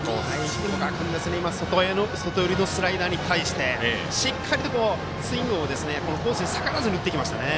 古賀君外寄りのスライダーに対してしっかりとスイングをコースに逆らわずに打ってきました。